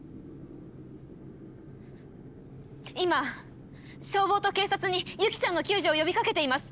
今消防と警察に由希さんの救助を呼びかけています。